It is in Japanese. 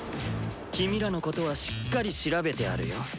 キミらのことはしっかり調べてあるよ。